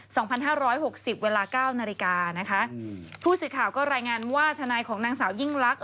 สองพันห้าร้อยหกสิบเวลาเก้านาฬิกานะคะอืมผู้สื่อข่าวก็รายงานว่าทนายของนางสาวยิ่งลักษ